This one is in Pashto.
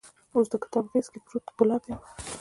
اوس دکتاب غیز کې پروت ګلاب یمه